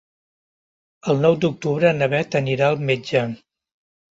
El nou d'octubre na Bet anirà al metge.